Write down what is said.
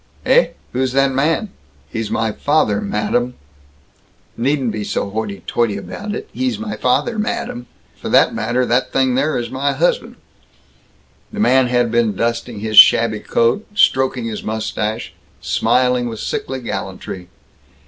"Heh? Who's that man?" "He's my father, madam." "Needn't to be so hoity toity about it, 'he's my father, madam!' F' that matter, that thing there is my husband!" The man had been dusting his shabby coat, stroking his mustache, smiling with sickly gallantry.